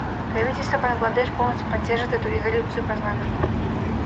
Правительство Бангладеш полностью поддерживает эту резолюцию парламента.